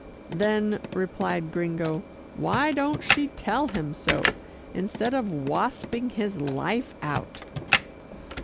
"Then," replied Gringo, "why don't she tell him so, instead of wasping his life out?"